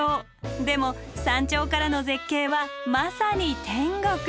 でも山頂からの絶景はまさに天国！